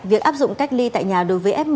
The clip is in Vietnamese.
việc áp dụng cách ly tại nhà đối với f một